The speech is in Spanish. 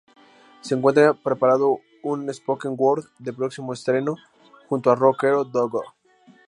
Se encuentra preparando un "spoken word," de próximo estreno, junto al rockero Dogo.